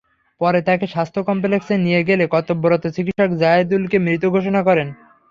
পরে তাঁকে স্বাস্থ্য কমপ্লেক্সে নিয়ে গেলে কর্তব্যরত চিকিৎসক জায়েদুলকে মৃত ঘোষণা করেন।